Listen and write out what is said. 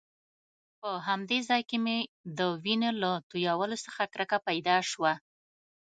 په همدې ځای کې مې د وینو له تويولو څخه کرکه پیدا شوه.